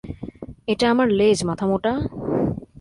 এটা আমার লেজ, মাথামোটা!